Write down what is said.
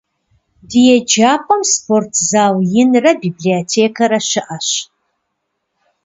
Ди еджапӀэм спортзал инрэ библиотекэрэ щыӀэщ.